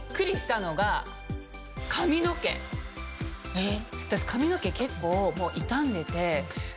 えっ？